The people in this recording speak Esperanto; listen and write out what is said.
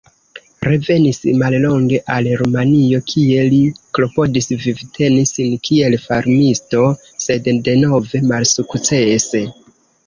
Revenis mallonge al Rumanio, kie li klopodis vivteni sin kiel farmisto, sed denove malsukcese.